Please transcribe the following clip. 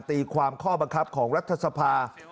ตีความข้อบังคับของรัฐสภา